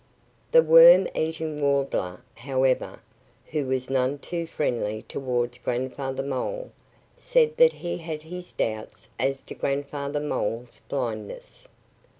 The Worm eating Warbler, however, who was none too friendly towards Grandfather Mole, said that he had his doubts as to Grandfather Mole's blindness.